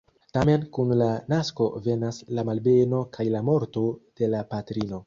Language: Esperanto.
Tamen kun la nasko venas la malbeno kaj la morto de la patrino.